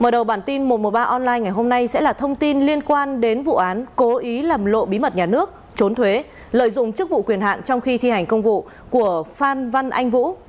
đây sẽ là thông tin liên quan đến vụ án cố ý làm lộ bí mật nhà nước trốn thuế lợi dụng chức vụ quyền hạn trong khi thi hành công vụ của phan văn anh vũ